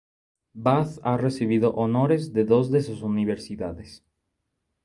Bath ha recibido honores de dos de sus universidades.